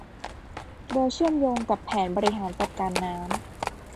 โดยเชื่อมโยงกับแผนบริหารจัดการน้ำ